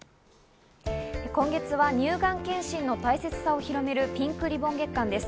今月は乳がん検診の大切さを広めるピンクリボン月間です。